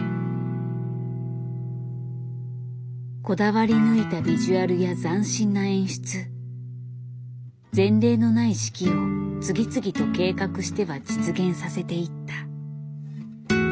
こだわり抜いたビジュアルや斬新な演出前例のない式を次々と計画しては実現させていった。